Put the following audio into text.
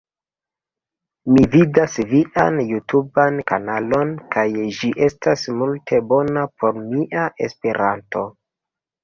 Mi vidas vian jutuban kanalon kaj ĝi estas multe bona por mia Esperanto